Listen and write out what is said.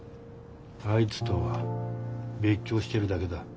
あいつとは別居してるだけだ。